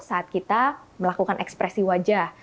saat kita melakukan ekspresi wajah